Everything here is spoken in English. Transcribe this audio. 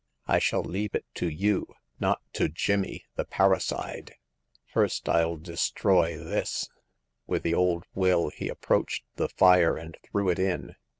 I shall leave it to you — not to Jimmy, the parricide. First ril destroy this." With the old will he ap proached the fire, and threw it in.